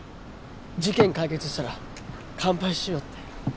事件解決したら乾杯しようって